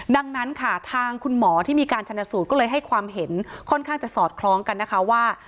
ดังนั้นค่ะทางคุณหมอที่มีการชนะสูตรก็เลยให้ความเห็นค่อนข้างจะสอดคล้องกันนะคะว่า